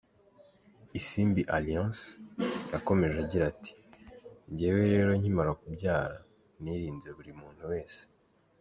Isimbi Alliance yakomeje agira ati, “njyewe rero nkimara kubyara nirinze buri muntu wese.